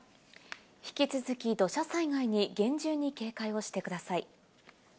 引き続き土砂災害に厳重に警戒をしてください。